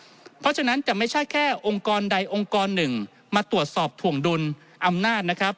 เพราะฉะนั้นจะไม่ใช่แค่องค์กรใดองค์กรหนึ่งมาตรวจสอบถวงดุลอำนาจนะครับ